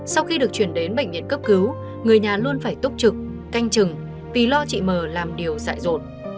sau khi được chuyển đến bệnh viện cấp cứu người nhà luôn phải túc trực canh chừng vì lo chị m làm điều dại dột